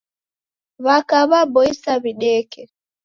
W'aka w'aboisa w'ideke.